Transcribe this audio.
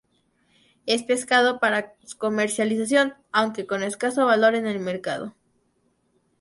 Es pescado para su comercialización, aunque con escaso valor en el mercado.